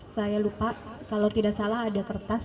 saya lupa kalau tidak salah ada kertas